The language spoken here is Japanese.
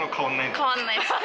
変わらないですね。